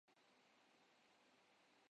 کبھی کبھار ہی چڑچڑا ہوتا ہوں